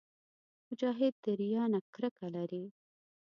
مجاهد د ریا نه کرکه لري.